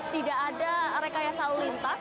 tidak ada rekayasa lintas